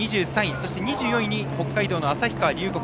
そして２４位に北海道の旭川龍谷。